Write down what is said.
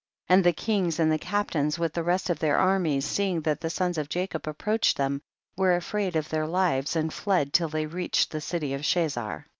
4. And the kings and the captains with the rest of their armies, seeing that the sons of Jacob approached them, were afraid of their lives and fled tdl they reached the city of Chazar.